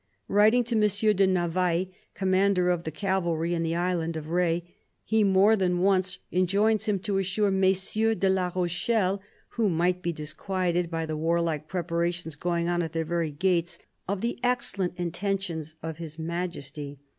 Writing to M. de Navailles, commander of the cavalry in the island of Re, he more than once enjoins him to assure Messieurs de la Rochelle, who might be disquieted by the warlike preparations going on at their very gates, of the excellent intentions of His Majesty.